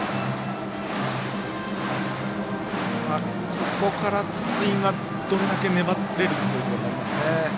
ここから筒井がどれだけ粘れるかになりますね。